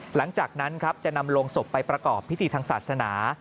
หลังจากนั้นครับจะนำลงศพไปประกอบพิธีทางศาสนา